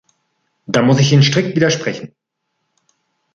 Da muss ich Ihnen strikt widersprechen.